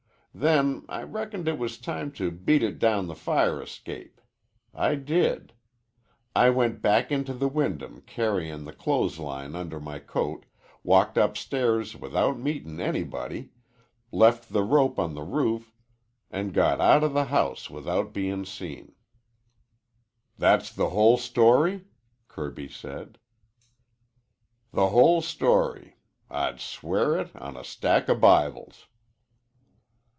Then I reckoned it was time to beat it down the fire escape. I did. I went back into the Wyndham carryin' the clothes line under my coat, walked upstairs without meetin' anybody, left the rope on the roof, an' got outa the house without being seen." "That's the whole story?" Kirby said. "The whole story. I'd swear it on a stack of Bibles."